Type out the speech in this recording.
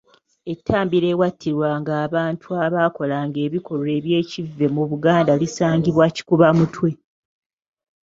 Ettambiro ewattirwanga abantu abaakolanga ebikolwa eby’ekivve mu Buganda lisangibwa Kikubamutwe.